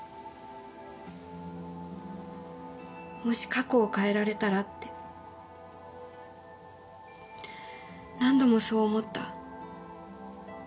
もし過去を変えられたらって何度もそう思った。